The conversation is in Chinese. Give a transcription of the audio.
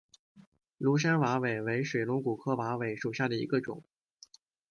庐山瓦韦为水龙骨科瓦韦属下的一个种。